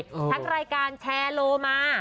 ทั้งรายการแชร์โลมา